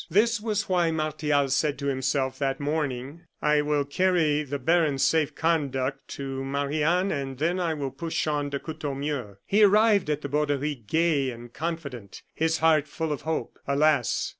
This was why Martial said to himself that morning: "I will carry the baron's safe conduct to Marie Anne, and then I will push on to Courtornieu." He arrived at the Borderie gay and confident, his heart full of hope. Alas!